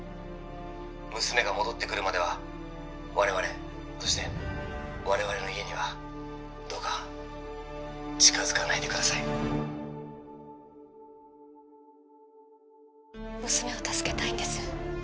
娘が戻ってくるまでは我々そして我々の家にはどうか近づかないでください娘を助けたいんです